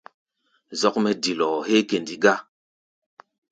Zɔ́k mɛ́ dilɔɔ héé kɛndi gá.